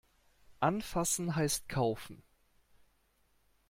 Anfassen heißt kaufen.